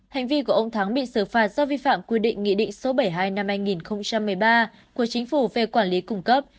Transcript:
hành vi của ông thắng bị xử phạt do vi phạm quy định nghị định số bảy mươi hai năm hai nghìn một mươi ba của chính phủ về quản lý cung cấp